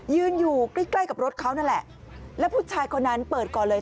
อยู่ใกล้ใกล้กับรถเขานั่นแหละแล้วผู้ชายคนนั้นเปิดก่อนเลย